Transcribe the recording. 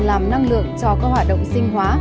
làm năng lượng cho các hoạt động sinh hóa